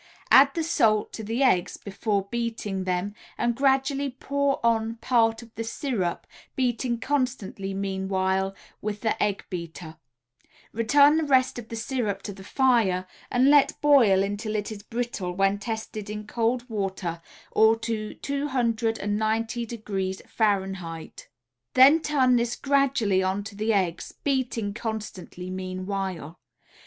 Add the salt to the eggs before beating them, and gradually pour on part of the syrup, beating constantly meanwhile with the egg beater; return the rest of the syrup to the fire and let boil until it is brittle when tested in cold water or to 290° F. Then turn this gradually onto the eggs, beating constantly meanwhile.